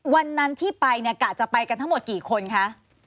วันนั้นที่ไปเนี่ยกะจะไปกันทั้งหมดกี่คนคะ